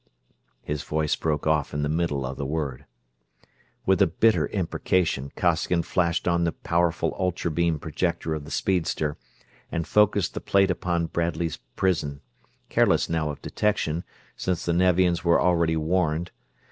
His voice broke off in the middle of the word. With a bitter imprecation Costigan flashed on the powerful ultra beam projector of the speedster and focused the plate upon Bradley's prison; careless now of detection, since the Nevians were already warned.